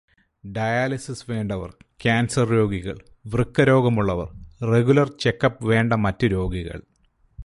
Dialysis വേണ്ടവർ, cancer രോഗികൾ, വൃക്കരോഗമുള്ളവർ, റെഗുലർ ചെക്കപ്പ് വേണ്ട മറ്റ് രോഗികൾ.